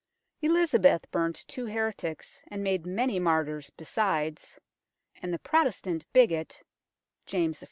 Elizabeth burnt two heretics and made many martyrs besides, and the Protestant bigot, James I.